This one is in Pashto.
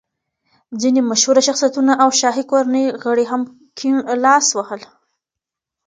ځینې مشهوره شخصیتونه او شاهي کورنۍ غړي هم کیڼ لاسي ول.